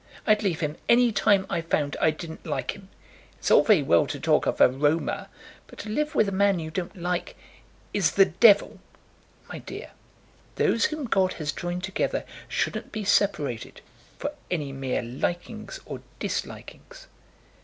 I'd leave him any time I found I didn't like him. It's all very well to talk of aroma, but to live with a man you don't like is the devil!" "My dear, those whom God has joined together shouldn't be separated, for any mere likings or dislikings."